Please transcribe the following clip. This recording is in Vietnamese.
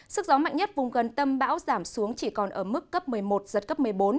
sức gió mạnh nhất vùng gần tâm bão giảm xuống chỉ còn ở mức cấp một mươi một giật cấp một mươi bốn